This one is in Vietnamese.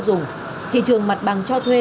dùng thị trường mặt bằng cho thuê